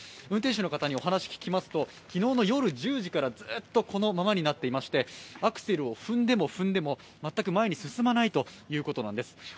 運転手の方にお話を聞きますと、昨日の夜１０時から、ずーっとこのままになっていましてアクセルを踏んでも踏んでも全く前に進まないということなんです。